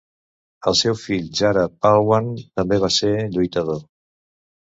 El seu fill Jhara Pahalwan també va ser lluitador